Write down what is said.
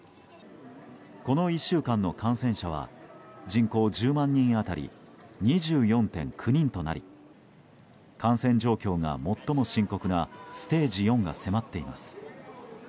この１週間の感染者は人口１０万人当たり２４．９人となり感染状況が最も深刻なステージ４が迫っています。